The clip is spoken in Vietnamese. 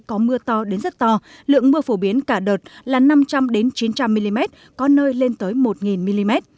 có mưa to đến rất to lượng mưa phổ biến cả đợt là năm trăm linh chín trăm linh mm có nơi lên tới một mm